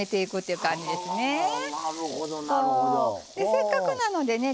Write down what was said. せっかくなのでね